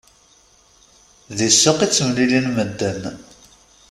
Deg ssuq i ttemlilin medden.